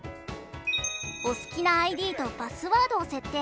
お好きなＩＤとパスワードを設定。